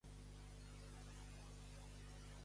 I què se li va ocórrer a la princesa?